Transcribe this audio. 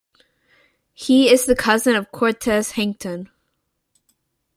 He is the cousin of Cortez Hankton.